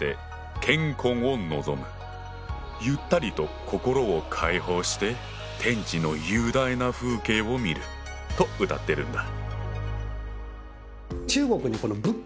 「ゆったりと心を解放して天地の雄大な風景を見る」と歌ってるんだ。